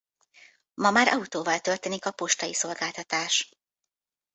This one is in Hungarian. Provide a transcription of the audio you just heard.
Ma már autóval történik a postai szolgáltatás.